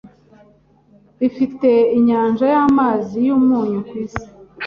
bifite inyanja y'amazi y'umunyu ku isi